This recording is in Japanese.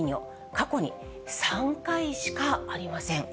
過去に３回しかありません。